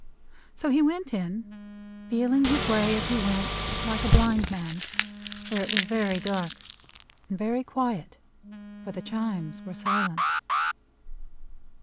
So he went in, feeling his way as he went, like a blind man; for it was very dark. And very quiet, for the Chimes were silent.